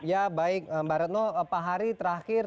ya baik mbak retno pak hari terakhir